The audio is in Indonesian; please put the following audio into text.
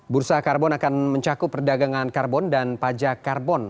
bursa karbon akan mencakup perdagangan karbon dan pajak karbon